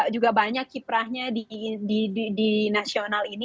juga banyak kiprahnya di nasional ini